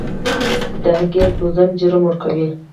د هیګز بوزون جرم ورکوي.